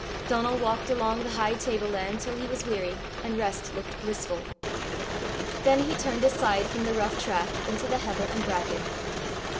Donal walked along the high table land till he was weary, and rest looked blissful. Then he turned aside from the rough track into the heather and bracken.